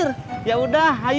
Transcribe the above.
emang nggak jadi